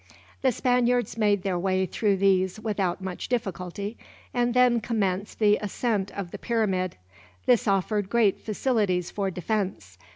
The Spaniards made their way through these without much difficulty, and then commenced the ascent of the pyramid. This offered great facilities for defense.